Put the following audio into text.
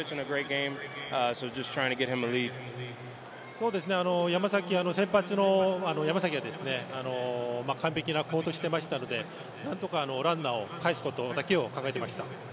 そうですね、先発の山崎がですね、完璧な好投をしていましたので、何とかランナーをかえすことだけを考えていました。